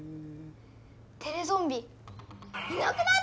テレゾンビいなくなってる！